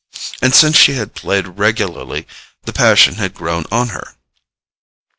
And since she had played regularly the passion had grown on her.